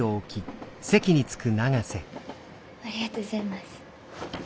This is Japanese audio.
ありがとうございます。